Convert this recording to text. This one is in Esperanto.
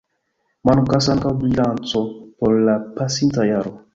Mankas ankaŭ bilanco por la pasinta jaro.